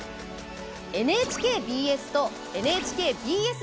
ＮＨＫＢＳとＮＨＫＢＳ